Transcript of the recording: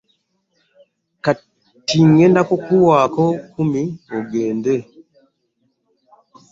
Kati ŋŋenda kukuwaako kkumi ogende.